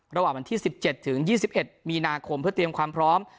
ระหว่างวันที่สิบเจ็ดถึงยี่สิบเอ็ดมีนาคมเพื่อเตรียมความพร้อม